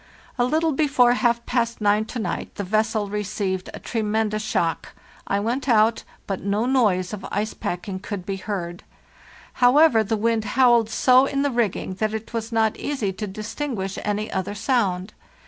"A little before half past nine to night the vessel received a tremendous shock. I went out, but no noise of ice packing could be heard. However, the wind howled so in the rigging that it was not easy to dis WE PREPARE FOR THE SLEDGE EXPEDITION 39 tinguish any other sound.